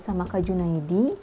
sama kak junaidi